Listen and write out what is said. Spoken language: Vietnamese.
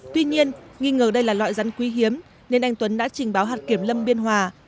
tuy nhiên nghi ngờ đây là loại rắn quý hiếm nên anh tuấn đã trình báo hạt kiểm lâm biên hòa